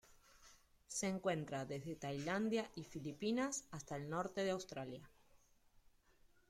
Se encuentra desde Tailandia y Filipinas hasta el norte de Australia.